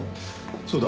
そうだ。